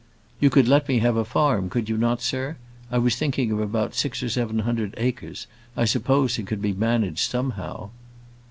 "You could let me have a farm; could you not, sir? I was thinking of about six or seven hundred acres. I suppose it could be managed somehow?"